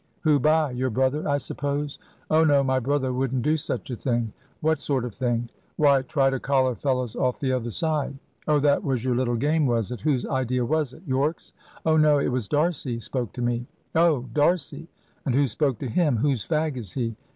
"Who by? your brother, I suppose." "Oh no. My brother wouldn't do such a thing." "What sort of thing?" "Why, try to collar fellows off the other side." "Oh, that was your little game, was it? Whose idea was it? Yorke's?" "Oh no. It was D'Arcy spoke to me." "Oh, D'Arcy. And who spoke to him? Whose fag is he?"